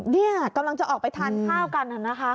นี่กำลังจะออกไปทานข้าวกันนะคะ